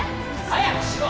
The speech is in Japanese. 早くしろ！